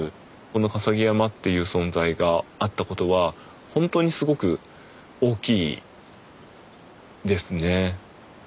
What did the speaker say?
この笠置山という存在があったことはほんとにすごく大きいですね。